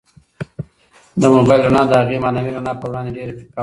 د موبایل رڼا د هغې معنوي رڼا په وړاندې ډېره پیکه وه.